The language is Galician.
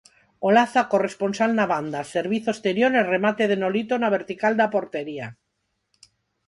Olaza corresponsal na banda, servizo exterior e remate de Nolito na vertical da portería.